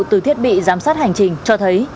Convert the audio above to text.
từ thiết bị giám sát hành trình cho thấy